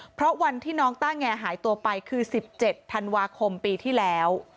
เพราะวันที่น้องต้าแงหายตัวไปคือ๑๗ธันวาคมปีที่แล้ว